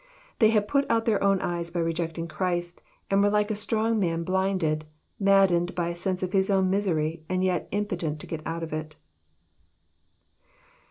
They had put out their own eyes by rejecting Christ, and were like a strong man blinded, maddened by a sense of his own misery, and yet im potent to get out of it.